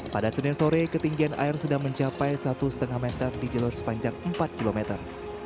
pada senin sore ketinggian air sudah mencapai satu lima meter di jalur sepanjang empat kilometer